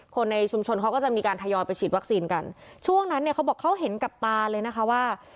คนในชุมชนเขาก็จะมีการทยอยไปฉีดวัคซีนกันช่วงนั้นเนี่ยเขาบอกเขาเห็นกับตาเลยนะคะว่า